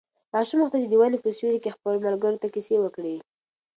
ماشوم غوښتل چې د ونې په سیوري کې خپلو ملګرو ته کیسې وکړي.